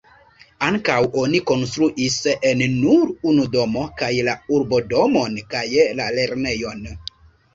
Ankaŭ oni konstruis en nur unu domo kaj la urbodomon kaj la lernejon.